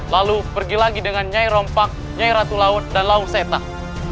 lalu pergi lagi dengan nyai rompak nyai ratu laut dan lau setah